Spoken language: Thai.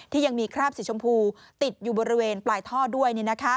ยังมีคราบสีชมพูติดอยู่บริเวณปลายท่อด้วย